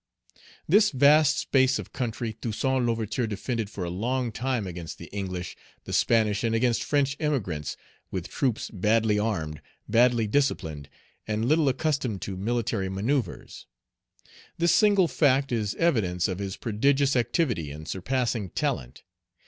This vast space of country Toussaint L'Ouverture defended for a long time against the English, the Spanish, and against French emigrants, with troops badly armed, badly disciplined, and little accustomed to military manoeuvres. This single fact is evidence of his prodigious activity and surpassing talent.